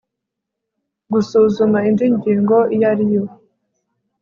gusuzuma indi ngingo iyo ari yo